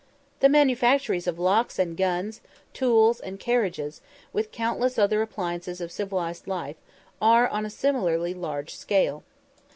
The manufactories of locks and guns, tools, and carriages, with countless other appliances of civilized life, are on a similarly large scale.